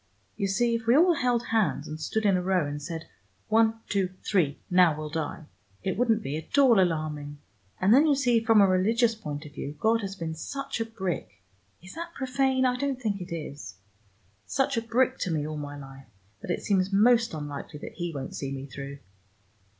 You see if we all held hands and stood in a row and said, 'One, two, three, now we'll die,' it wouldn't be at all alarming. And then you see from a religious point of view, God has been such a brick is that profane? I don't think it is such a brick to me all my life, that it seems most unlikely that He won't see me through.